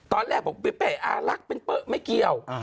ตอนแรกบอกเป้อารักเป็นเป๊ะไม่เกี่ยว